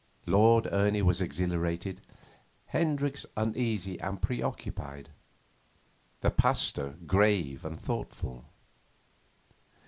Lord Ernie was exhilarated, Hendricks uneasy and preoccupied, the Pasteur grave and thoughtful.